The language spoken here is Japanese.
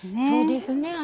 そうですね。